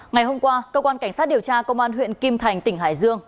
ngày hôm qua cơ quan cảnh sát điều tra công an huyện kim thành tỉnh hải dương